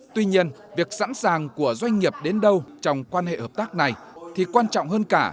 tuy nhiên việc sẵn sàng của doanh nghiệp đến đâu trong quan hệ hợp tác này thì quan trọng hơn cả